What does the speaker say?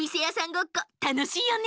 ごっこたのしいよね。